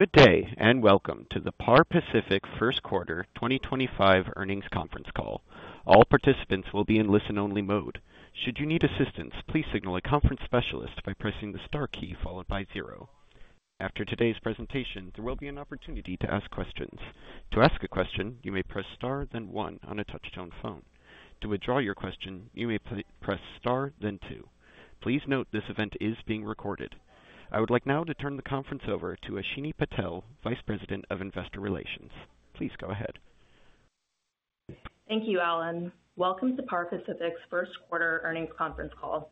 Good day and welcome to the Par Pacific first quarter 2025 earnings conference call. All participants will be in listen-only mode. Should you need assistance, please signal a conference specialist by pressing the star key followed by zero. After today's presentation, there will be an opportunity to ask questions. To ask a question, you may press star, then one on a touch-tone phone. To withdraw your question, you may press star, then two. Please note this event is being recorded. I would like now to turn the conference over to Ashimi Patel, Vice President of Investor Relations. Please go ahead. Thank you, Alan. Welcome to Par Pacific's first quarter earnings conference call.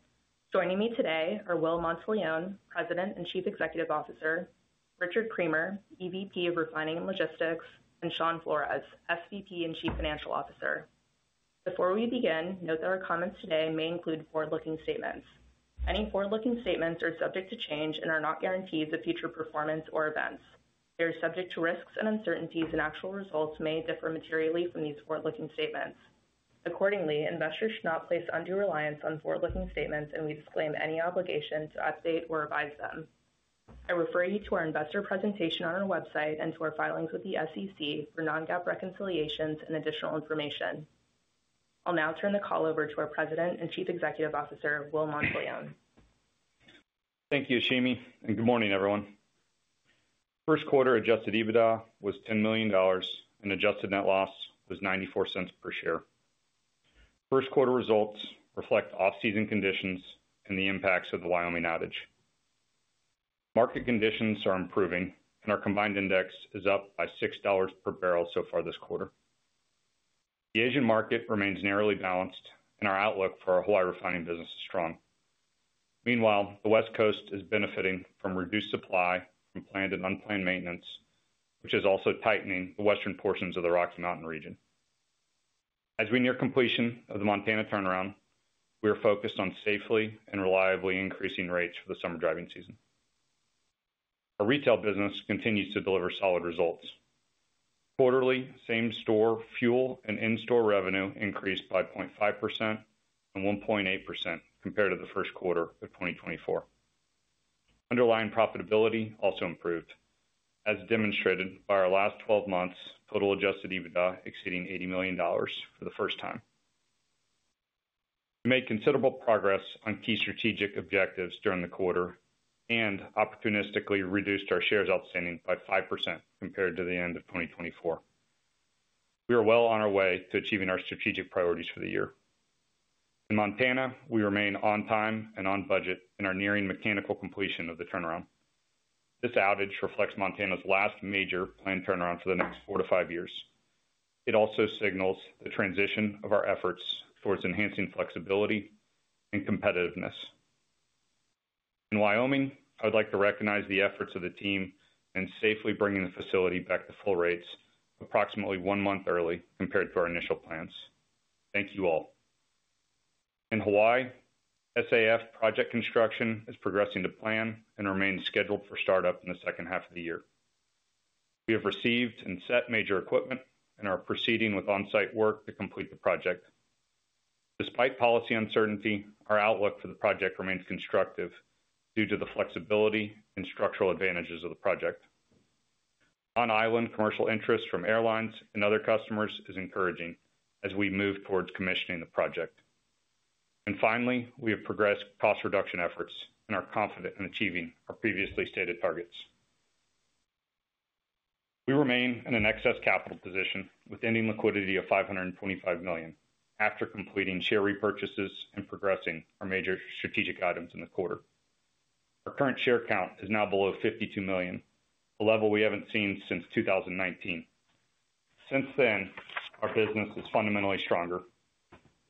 Joining me today are Will Monteleone, President and Chief Executive Officer; Richard Creamer, EVP of Refining and Logistics; and Shawn Flores, SVP and Chief Financial Officer. Before we begin, note that our comments today may include forward-looking statements. Any forward-looking statements are subject to change and are not guarantees of future performance or events. They are subject to risks and uncertainties, and actual results may differ materially from these forward-looking statements. Accordingly, investors should not place undue reliance on forward-looking statements, and we disclaim any obligation to update or revise them. I refer you to our investor presentation on our website and to our filings with the SEC for non-GAAP reconciliations and additional information. I'll now turn the call over to our President and Chief Executive Officer, Will Monteleone. Thank you, Ashimi, and good morning, everyone. First quarter adjusted EBITDA was $10 million, and adjusted net loss was $0.94 per share. First quarter results reflect off-season conditions and the impacts of the Wyoming outage. Market conditions are improving, and our combined index is up by $6 per barrel so far this quarter. The Asian market remains narrowly balanced, and our outlook for our Hawaii refining business is strong. Meanwhile, the West Coast is benefiting from reduced supply from planned and unplanned maintenance, which is also tightening the western portions of the Rocky Mountain region. As we near completion of the Montana turnaround, we are focused on safely and reliably increasing rates for the summer driving season. Our retail business continues to deliver solid results. Quarterly, same-store fuel and in-store revenue increased by 0.5% and 1.8% compared to the first quarter of 2024. Underlying profitability also improved, as demonstrated by our last 12 months' total adjusted EBITDA exceeding $80 million for the first time. We made considerable progress on key strategic objectives during the quarter and opportunistically reduced our shares outstanding by 5% compared to the end of 2024. We are well on our way to achieving our strategic priorities for the year. In Montana, we remain on time and on budget and are nearing mechanical completion of the turnaround. This outage reflects Montana's last major planned turnaround for the next four to five years. It also signals the transition of our efforts towards enhancing flexibility and competitiveness. In Wyoming, I would like to recognize the efforts of the team in safely bringing the facility back to full rates approximately one month early compared to our initial plans. Thank you all. In Hawaii, SAF project construction is progressing to plan and remains scheduled for startup in the second half of the year. We have received and set major equipment and are proceeding with on-site work to complete the project. Despite policy uncertainty, our outlook for the project remains constructive due to the flexibility and structural advantages of the project. On-island commercial interest from airlines and other customers is encouraging as we move towards commissioning the project. Finally, we have progressed cost reduction efforts and are confident in achieving our previously stated targets. We remain in an excess capital position with ending liquidity of $525 million after completing share repurchases and progressing our major strategic items in the quarter. Our current share count is now below 52 million, a level we have not seen since 2019. Since then, our business is fundamentally stronger.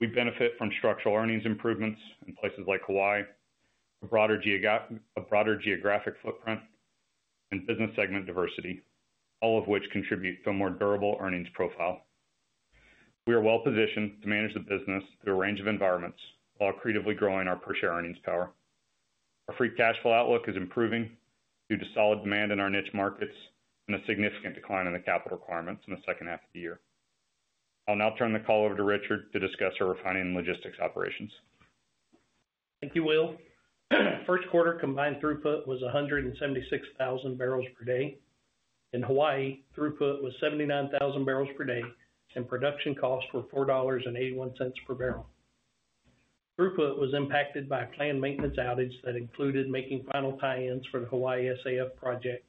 We benefit from structural earnings improvements in places like Hawaii, a broader geographic footprint, and business segment diversity, all of which contribute to a more durable earnings profile. We are well-positioned to manage the business through a range of environments while creatively growing our per-share earnings power. Our free cash flow outlook is improving due to solid demand in our niche markets and a significant decline in the capital requirements in the second half of the year. I'll now turn the call over to Richard to discuss our refining and logistics operations. Thank you, Will. First quarter combined throughput was 176,000 bbl per day. In Hawaii, throughput was 79,000 bbl per day, and production costs were $4.81 per barrel. Throughput was impacted by a planned maintenance outage that included making final tie-ins for the Hawaii SAF project,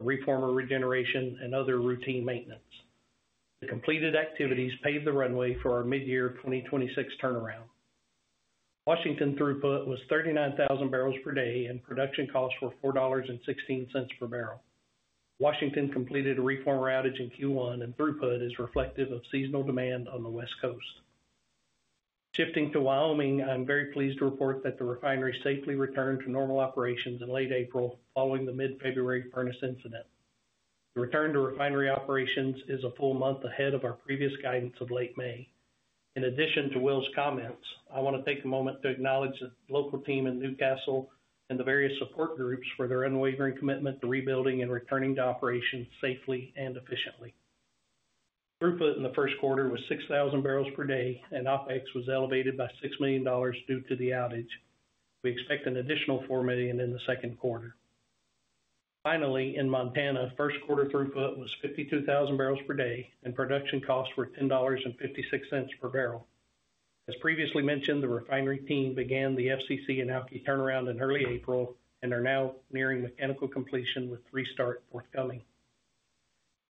reformer regeneration, and other routine maintenance. The completed activities paved the runway for our mid-year 2026 turnaround. Washington throughput was 39,000 bbl per day, and production costs were $4.16 per barrel. Washington completed a reformer outage in Q1, and throughput is reflective of seasonal demand on the West Coast. Shifting to Wyoming, I'm very pleased to report that the refinery safely returned to normal operations in late April following the mid-February furnace incident. The return to refinery operations is a full month ahead of our previous guidance of late May. In addition to Will's comments, I want to take a moment to acknowledge the local team in Newcastle and the various support groups for their unwavering commitment to rebuilding and returning to operations safely and efficiently. Throughput in the first quarter was 6,000 barrels per day, and OpEx was elevated by $6 million due to the outage. We expect an additional $4 million in the second quarter. Finally, in Montana, first quarter throughput was 52,000 bbl per day, and production costs were $10.56 per barrel. As previously mentioned, the refinery team began the FCC and alky turnaround in early April and are now nearing mechanical completion with restart forthcoming.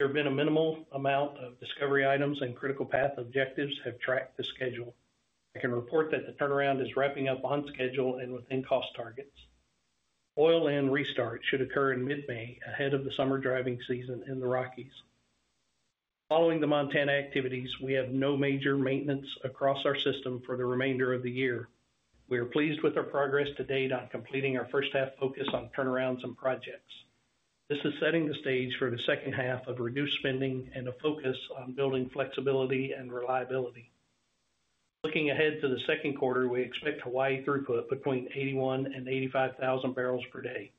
There have been a minimal amount of discovery items and critical path objectives have tracked the schedule. I can report that the turnaround is wrapping up on schedule and within cost targets. Oil-in restart should occur in mid-May ahead of the summer driving season in the Rockies. Following the Montana activities, we have no major maintenance across our system for the remainder of the year. We are pleased with our progress to date on completing our first half focus on turnarounds and projects. This is setting the stage for the second half of reduced spending and a focus on building flexibility and reliability. Looking ahead to the second quarter, we expect Hawaii throughput between 81,000 bbl and 85,000 bbl per day,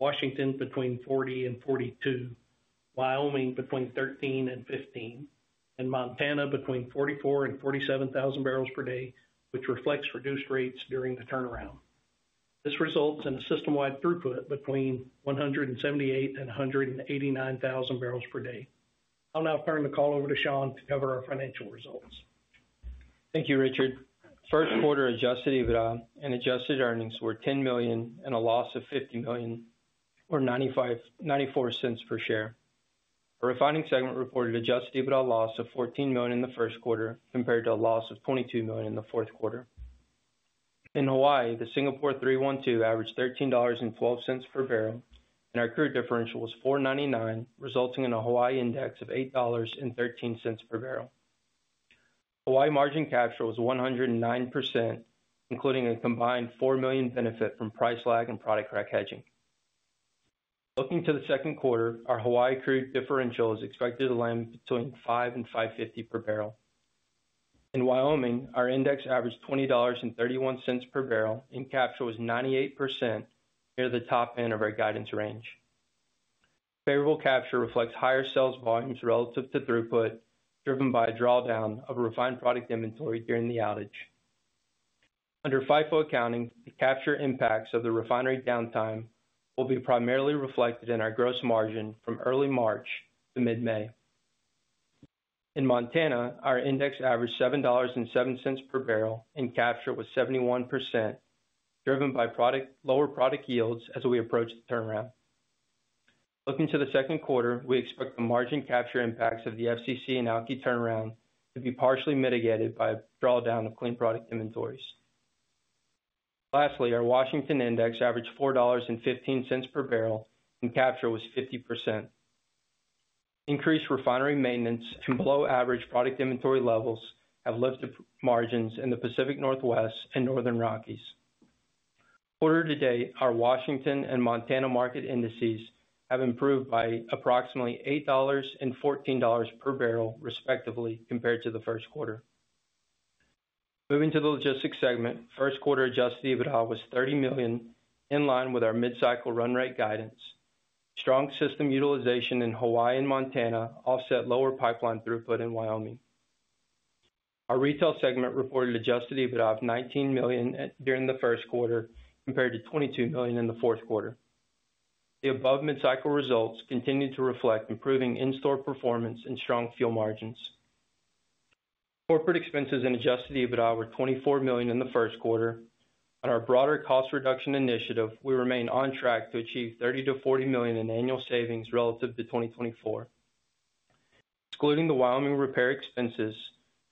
Washington between 40,000 bbl and 42,000 bbl, Wyoming between 13,000 bbl and 15,000 bbl, and Montana between 44,000 bbl and 47,000 bbl per day, which reflects reduced rates during the turnaround. This results in a system-wide throughput between 178,000 bbl and 189,000 bbl per day. I'll now turn the call over to Shawn to cover our financial results. Thank you, Richard. First quarter adjusted EBITDA and adjusted earnings were $10 million and a loss of $50 million or $0.94 per share. Our refining segment reported adjusted EBITDA loss of $14 million in the first quarter compared to a loss of $22 million in the fourth quarter. In Hawaii, the Singapore 312 averaged $13.12 per barrel, and our crude differential was $4.99, resulting in a Hawaii index of $8.13 per barrel. Hawaii margin capture was 109%, including a combined $4 million benefit from price lag and product crack hedging. Looking to the second quarter, our Hawaii crude differential is expected to land between $5 and $5.50 per barrel. In Wyoming, our index averaged $20.31 per barrel, and capture was 98%, near the top end of our guidance range. Favorable capture reflects higher sales volumes relative to throughput, driven by a drawdown of refined product inventory during the outage. Under FIFO accounting, the capture impacts of the refinery downtime will be primarily reflected in our gross margin from early March to mid-May. In Montana, our index averaged $7.07 per barrel, and capture was 71%, driven by lower product yields as we approach the turnaround. Looking to the second quarter, we expect the margin capture impacts of the FCC and alky turnaround to be partially mitigated by a drawdown of clean product inventories. Lastly, our Washington index averaged $4.15 per barrel, and capture was 50%. Increased refinery maintenance and below-average product inventory levels have lifted margins in the Pacific Northwest and Northern Rockies. Quarter to date, our Washington and Montana market indices have improved by approximately $8.00 and $14.00 per barrel, respectively, compared to the first quarter. Moving to the logistics segment, first quarter adjusted EBITDA was $30 million, in line with our mid-cycle run rate guidance. Strong system utilization in Hawaii and Montana offset lower pipeline throughput in Wyoming. Our retail segment reported adjusted EBITDA of $19 million during the first quarter compared to $22 million in the fourth quarter. The above mid-cycle results continue to reflect improving in-store performance and strong fuel margins. Corporate expenses and adjusted EBITDA were $24 million in the first quarter. On our broader cost reduction initiative, we remain on track to achieve $30 million-$40 million in annual savings relative to 2024. Excluding the Wyoming repair expenses,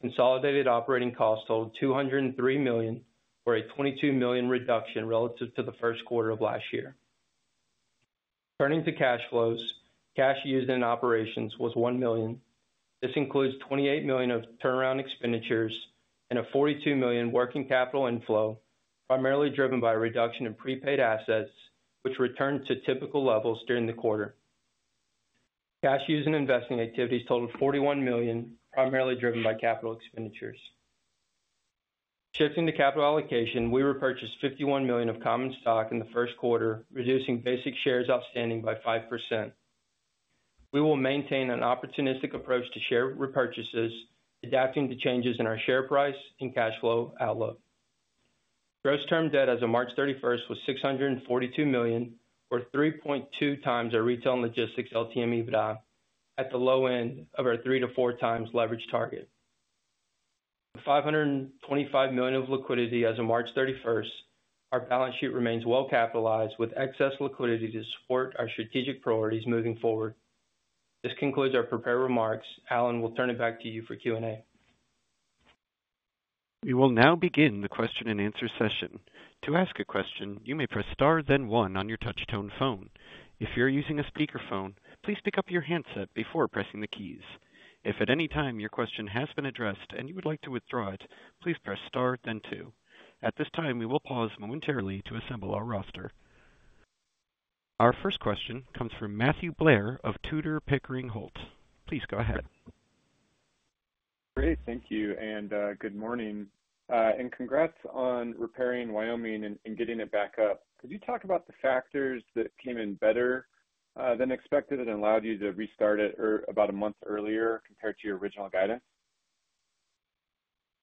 consolidated operating costs totaled $203 million, or a $22 million reduction relative to the first quarter of last year. Turning to cash flows, cash used in operations was $1 million. This includes $28 million of turnaround expenditures and a $42 million working capital inflow, primarily driven by a reduction in prepaid assets, which returned to typical levels during the quarter. Cash use and investing activities totaled $41 million, primarily driven by capital expenditures. Shifting to capital allocation, we repurchased $51 million of common stock in the first quarter, reducing basic shares outstanding by 5%. We will maintain an opportunistic approach to share repurchases, adapting to changes in our share price and cash flow outlook. Gross term debt as of March 31 was $642 million, or 3.2x our retail and logistics LTM EBITDA, at the low end of our three to four times leverage target. With $525 million of liquidity as of March 31, our balance sheet remains well capitalized with excess liquidity to support our strategic priorities moving forward. This concludes our prepared remarks. Alan, we'll turn it back to you for Q&A. We will now begin the question and answer session. To ask a question, you may press Star, then 1 on your touch-tone phone. If you're using a speakerphone, please pick up your handset before pressing the keys. If at any time your question has been addressed and you would like to withdraw it, please press Star, then 2. At this time, we will pause momentarily to assemble our roster. Our first question comes from Matthew Blair of Tudor, Pickering, Holt. Please go ahead. Great. Thank you. Good morning. Congrats on repairing Wyoming and getting it back up. Could you talk about the factors that came in better than expected and allowed you to restart it about a month earlier compared to your original guidance?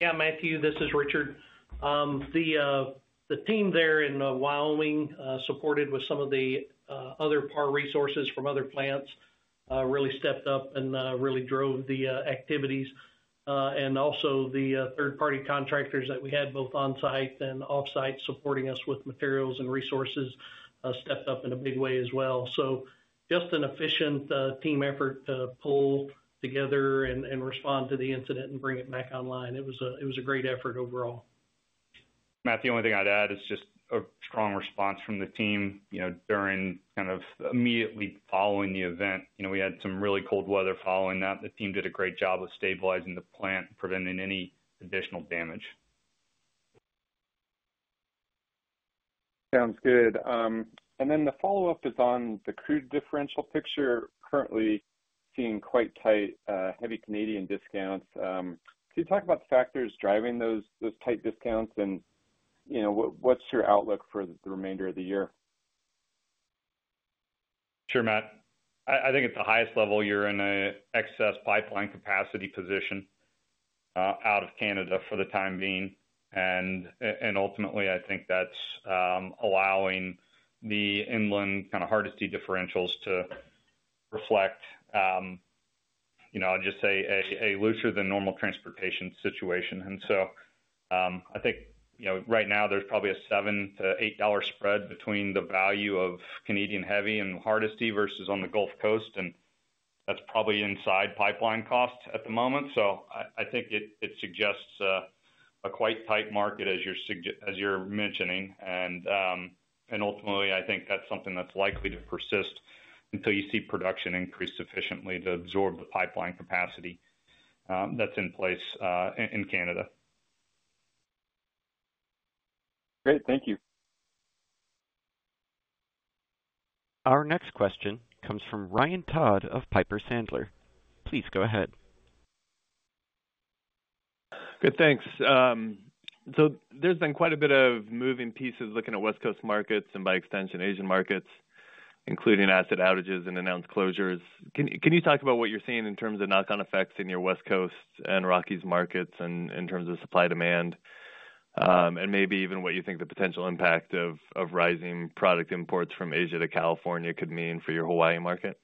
Yeah, Matthew, this is Richard. The team there in Wyoming, supported with some of the other Par resources from other plants, really stepped up and really drove the activities. Also, the third-party contractors that we had both on-site and off-site supporting us with materials and resources stepped up in a big way as well. Just an efficient team effort to pull together and respond to the incident and bring it back online. It was a great effort overall. Matthew, the only thing I'd add is just a strong response from the team during kind of immediately following the event. We had some really cold weather following that. The team did a great job of stabilizing the plant and preventing any additional damage. Sounds good. The follow-up is on the crude differential picture. Currently seeing quite tight heavy Canadian discounts. Could you talk about the factors driving those tight discounts and what is your outlook for the remainder of the year? Sure, Matt. I think at the highest level, you're in an excess pipeline capacity position out of Canada for the time being. Ultimately, I think that's allowing the inland kind of Hardisty differentials to reflect, I'd just say, a looser than normal transportation situation. I think right now there's probably a $7-$8 spread between the value of Canadian heavy and Hardisty versus on the Gulf Coast. That's probably inside pipeline costs at the moment. I think it suggests a quite tight market, as you're mentioning. Ultimately, I think that's something that's likely to persist until you see production increase sufficiently to absorb the pipeline capacity that's in place in Canada. Great. Thank you. Our next question comes from Ryan Todd of Piper Sandler. Please go ahead. Good, thanks. There's been quite a bit of moving pieces looking at West Coast markets and by extension Asian markets, including asset outages and announced closures. Can you talk about what you're seeing in terms of knock-on effects in your West Coast and Rockies markets in terms of supply demand and maybe even what you think the potential impact of rising product imports from Asia to California could mean for your Hawaii market?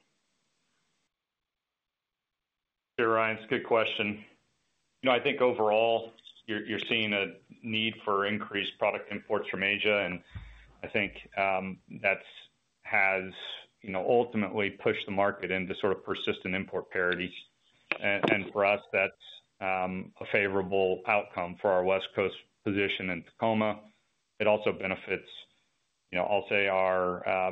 Sure, Ryan. It's a good question. I think overall, you're seeing a need for increased product imports from Asia. I think that has ultimately pushed the market into sort of persistent import parities. For us, that's a favorable outcome for our West Coast position in Tacoma. It also benefits, I'll say, our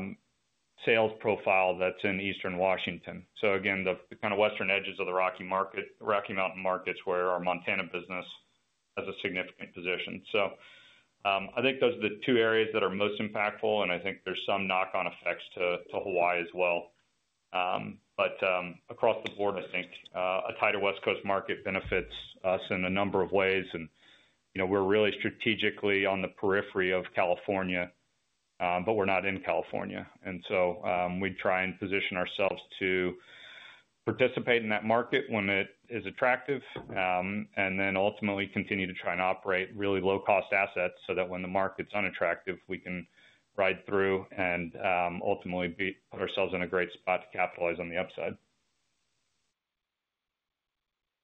sales profile that's in Eastern Washington. Again, the kind of western edges of the Rocky Mountain markets where our Montana business has a significant position. I think those are the two areas that are most impactful. I think there's some knock-on effects to Hawaii as well. Across the board, I think a tighter West Coast market benefits us in a number of ways. We're really strategically on the periphery of California, but we're not in California. We try and position ourselves to participate in that market when it is attractive and then ultimately continue to try and operate really low-cost assets so that when the market's unattractive, we can ride through and ultimately put ourselves in a great spot to capitalize on the upside.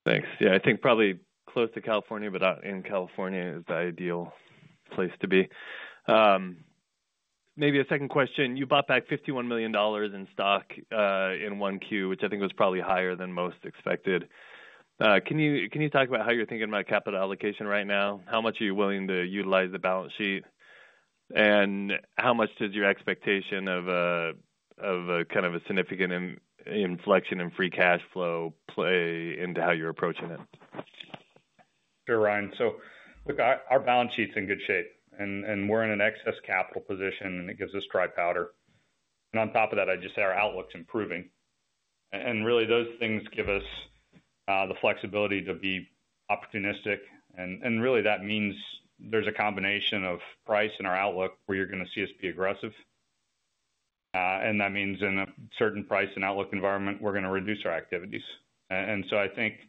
Thanks. Yeah, I think probably close to California, but not in California, is the ideal place to be. Maybe a second question. You bought back $51 million in stock in 1Q, which I think was probably higher than most expected. Can you talk about how you're thinking about capital allocation right now? How much are you willing to utilize the balance sheet? And how much does your expectation of kind of a significant inflection in free cash flow play into how you're approaching it? Sure, Ryan. Our balance sheet's in good shape. We're in an excess capital position, and it gives us dry powder. On top of that, I'd just say our outlook's improving. Really, those things give us the flexibility to be opportunistic. Really, that means there's a combination of price and our outlook where you're going to see us be aggressive. That means in a certain price and outlook environment, we're going to reduce our activities. I think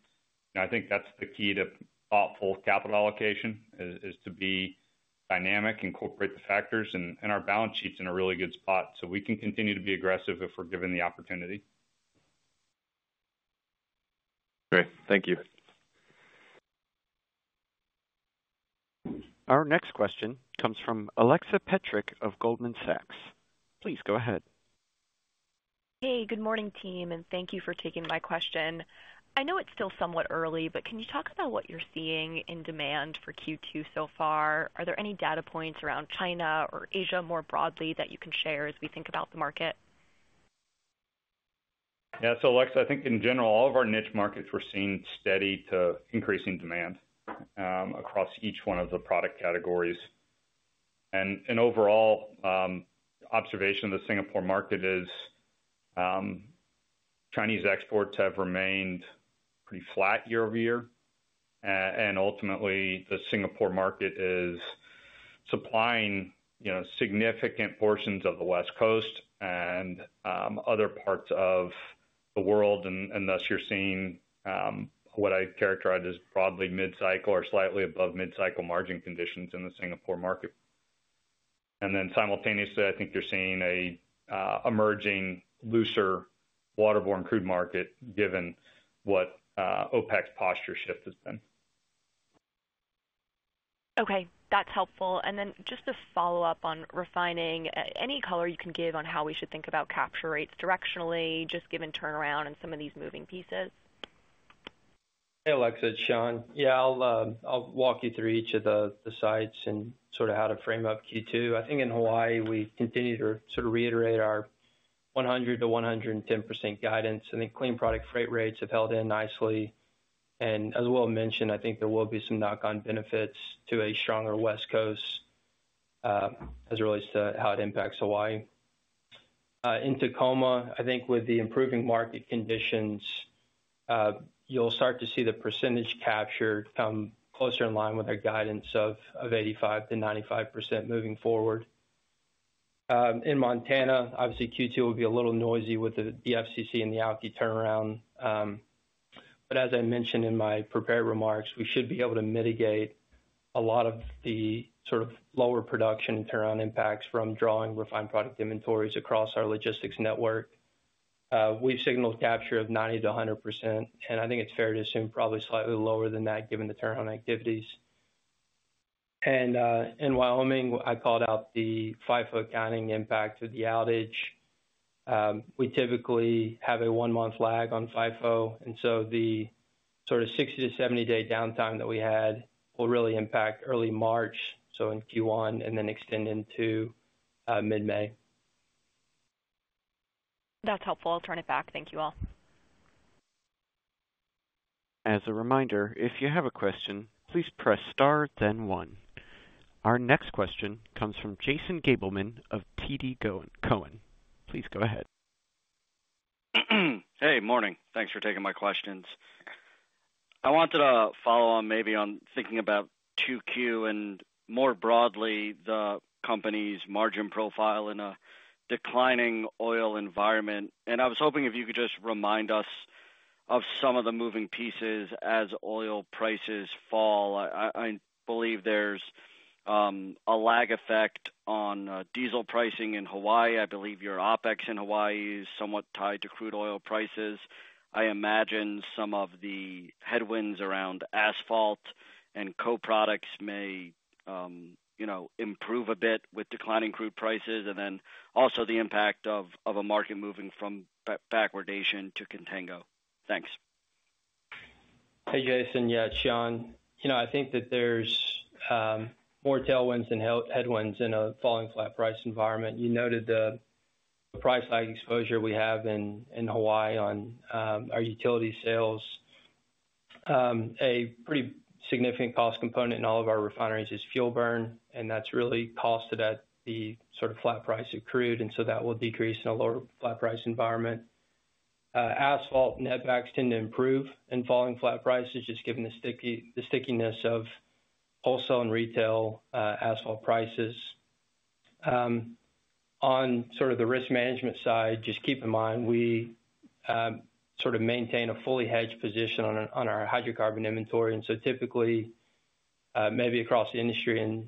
that's the key to thoughtful capital allocation, to be dynamic, incorporate the factors. Our balance sheet's in a really good spot so we can continue to be aggressive if we're given the opportunity. Great. Thank you. Our next question comes from Alexa Petrick of Goldman Sachs. Please go ahead. Hey, good morning, team. Thank you for taking my question. I know it's still somewhat early, but can you talk about what you're seeing in demand for Q2 so far? Are there any data points around China or Asia more broadly that you can share as we think about the market? Yeah. Alexa, I think in general, all of our niche markets, we're seeing steady to increasing demand across each one of the product categories. Overall, observation of the Singapore market is Chinese exports have remained pretty flat year over year. Ultimately, the Singapore market is supplying significant portions of the West Coast and other parts of the world. Thus, you're seeing what I'd characterize as broadly mid-cycle or slightly above mid-cycle margin conditions in the Singapore market. Simultaneously, I think you're seeing an emerging looser waterborne crude market given what OPEC's posture shift has been. Okay. That's helpful. Just to follow up on refining, any color you can give on how we should think about capture rates directionally, just given turnaround and some of these moving pieces? Hey, Alexa, it's Shawn. Yeah, I'll walk you through each of the sites and sort of how to frame up Q2. I think in Hawaii, we continue to sort of reiterate our 100%-110% guidance. I think clean product freight rates have held in nicely. And as Will mentioned, I think there will be some knock-on benefits to a stronger West Coast as it relates to how it impacts Hawaii. In Tacoma, I think with the improving market conditions, you'll start to see the percentage capture come closer in line with our guidance of 85%-95% moving forward. In Montana, obviously, Q2 will be a little noisy with the FCC and the alky turnaround. But as I mentioned in my prepared remarks, we should be able to mitigate a lot of the sort of lower production and turnaround impacts from drawing refined product inventories across our logistics network. We've signaled capture of 90%-100%. I think it's fair to assume probably slightly lower than that given the turnaround activities. In Wyoming, I called out the FIFO accounting impact of the outage. We typically have a one-month lag on FIFO, and so the sort of 60-70-day downtime that we had will really impact early March, so in Q1, and then extend into mid-May. That's helpful. I'll turn it back. Thank you all. As a reminder, if you have a question, please press Star, then 1. Our next question comes from Jason Gabelman of TD Cowen. Please go ahead. Hey, morning. Thanks for taking my questions. I wanted to follow on maybe on thinking about Q2 and more broadly the company's margin profile in a declining oil environment. I was hoping if you could just remind us of some of the moving pieces as oil prices fall. I believe there's a lag effect on diesel pricing in Hawaii. I believe your OpEx in Hawaii is somewhat tied to crude oil prices. I imagine some of the headwinds around asphalt and co-products may improve a bit with declining crude prices. Also the impact of a market moving from backwardation to contango. Thanks. Hey, Jason. Yeah, Shawn, I think that there's more tailwinds than headwinds in a falling flat price environment. You noted the price lag exposure we have in Hawaii on our utility sales. A pretty significant cost component in all of our refineries is fuel burn. That's really costed at the sort of flat price of crude. That will decrease in a lower flat price environment. Asphalt netbacks tend to improve in falling flat prices, just given the stickiness of wholesale and retail asphalt prices. On the risk management side, just keep in mind we maintain a fully hedged position on our hydrocarbon inventory. Typically, maybe across the industry,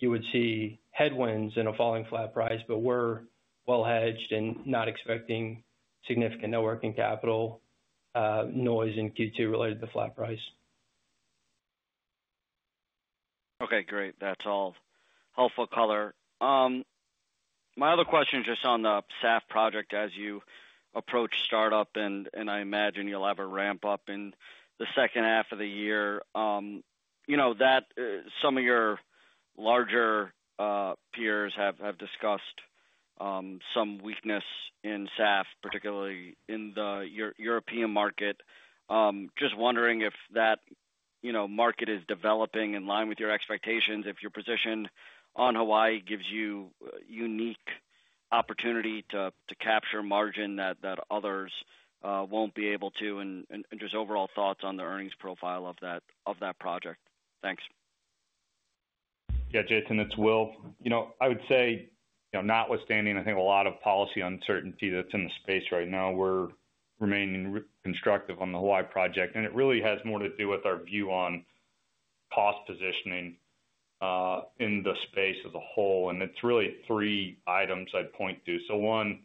you would see headwinds in a falling flat price. We're well hedged and not expecting significant net working capital noise in Q2 related to the flat price. Okay, great. That's all helpful color. My other question is just on the SAF project as you approach startup. I imagine you'll have a ramp up in the second half of the year. Some of your larger peers have discussed some weakness in SAF, particularly in the European market. Just wondering if that market is developing in line with your expectations, if your position on Hawaii gives you a unique opportunity to capture margin that others won't be able to. Just overall thoughts on the earnings profile of that project. Thanks. Yeah, Jason, it's Will. I would say notwithstanding, I think, a lot of policy uncertainty that's in the space right now, we're remaining constructive on the Hawaii project. It really has more to do with our view on cost positioning in the space as a whole. It's really three items I'd point to. One,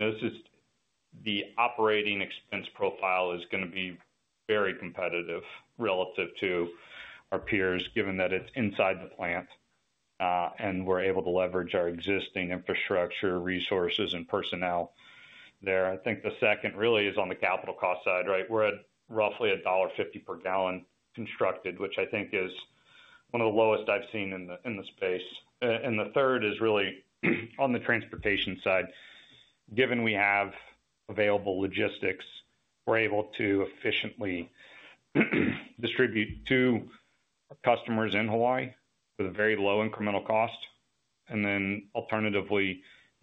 the operating expense profile is going to be very competitive relative to our peers, given that it's inside the plant and we're able to leverage our existing infrastructure, resources, and personnel there. I think the second really is on the capital cost side, right? We're at roughly $1.50 per gallon constructed, which I think is one of the lowest I've seen in the space. The third is really on the transportation side. Given we have available logistics, we're able to efficiently distribute to our customers in Hawaii with a very low incremental cost. Alternatively,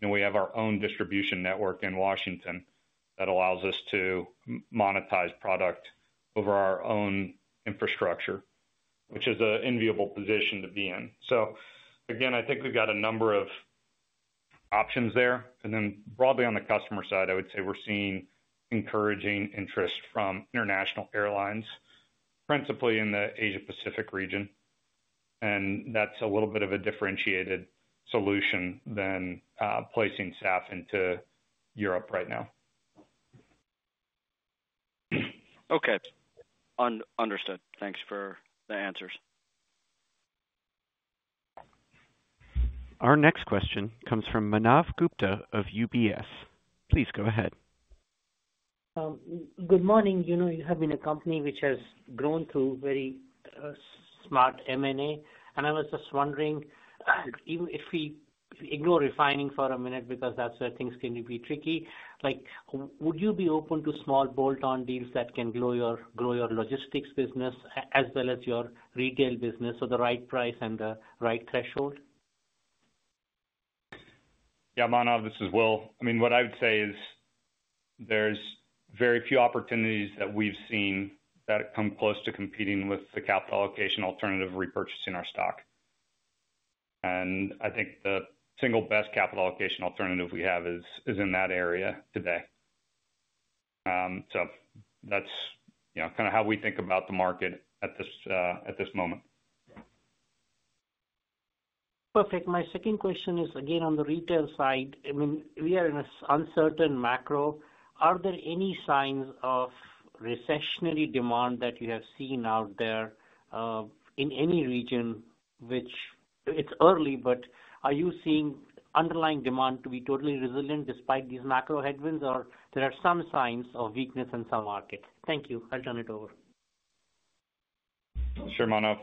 we have our own distribution network in Washington that allows us to monetize product over our own infrastructure, which is an enviable position to be in. I think we've got a number of options there. Broadly on the customer side, I would say we're seeing encouraging interest from international airlines, principally in the Asia-Pacific region. That's a little bit of a differentiated solution than placing SAF into Europe right now. Okay. Understood. Thanks for the answers. Our next question comes from Manav Gupta of UBS. Please go ahead. Good morning. You know you have been a company which has grown through very smart M&A. I was just wondering, if we ignore refining for a minute because that's where things can be tricky, would you be open to small bolt-on deals that can grow your logistics business as well as your retail business at the right price and the right threshold? Yeah, Manav, this is Will. I mean, what I would say is there's very few opportunities that we've seen that have come close to competing with the capital allocation alternative of repurchasing our stock. I think the single best capital allocation alternative we have is in that area today. That's kind of how we think about the market at this moment. Perfect. My second question is, again, on the retail side. I mean, we are in this uncertain macro. Are there any signs of recessionary demand that you have seen out there in any region, which it's early, but are you seeing underlying demand to be totally resilient despite these macro headwinds, or are there some signs of weakness in some markets? Thank you. I'll turn it over. Sure, Manav.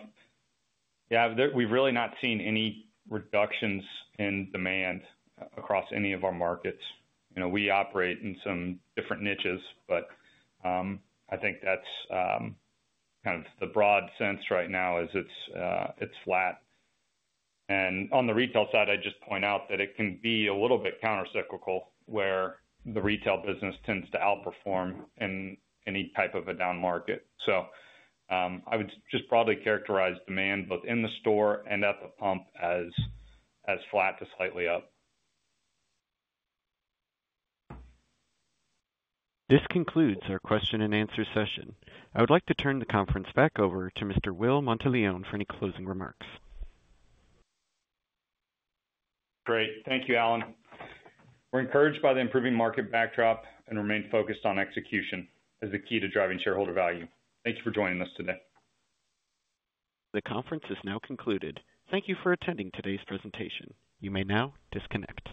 Yeah, we've really not seen any reductions in demand across any of our markets. We operate in some different niches, but I think that's kind of the broad sense right now is it's flat. On the retail side, I'd just point out that it can be a little bit countercyclical where the retail business tends to outperform in any type of a down market. I would just probably characterize demand both in the store and at the pump as flat to slightly up. This concludes our question and answer session. I would like to turn the conference back over to Mr. Will Monteleone for any closing remarks. Great. Thank you, Alan. We're encouraged by the improving market backdrop and remain focused on execution as the key to driving shareholder value. Thank you for joining us today. The conference is now concluded. Thank you for attending today's presentation. You may now disconnect.